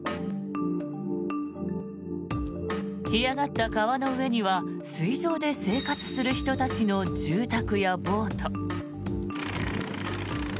干上がった川の上には水上で生活する人たちの住宅やボート。